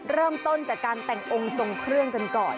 เริ่มต้นจากการแต่งองค์ทรงเครื่องกันก่อน